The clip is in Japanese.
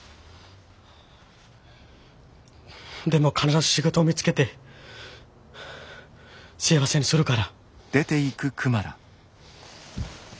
でも必ず仕事見つけて幸せにするから。